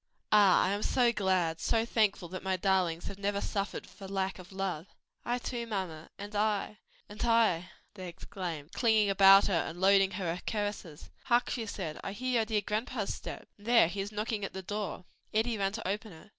Ah, I am so glad, so thankful that my darlings have never suffered for lack of love." "I too, mamma." "And I." "And I," they exclaimed, clinging about her and loading her with caresses. "Hark!" she said, "I hear your dear grandpa's step, and there, he is knocking at the door." Eddie ran to open it.